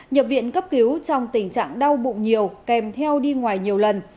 nhập viện cấp cứu trong tình trạng đau bụng nhiều kèm theo đi ngoài nhiều lần